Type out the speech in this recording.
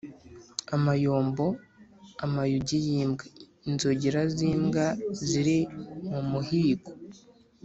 amayombo: amayugi y’imbwa, inzogera z’imbwa ziri mu muhigo.